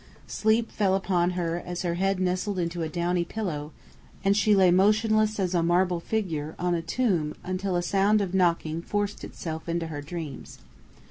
Sleep fell upon her as her head nestled into a downy pillow, and she lay motionless as a marble figure on a tomb until a sound of knocking forced itself into her dreams.